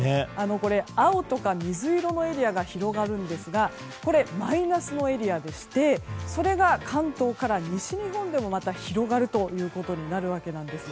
青とか水色のエリアが広がるんですがこれ、マイナスのエリアでしてそれが関東から西日本でもまた広がることになるんです。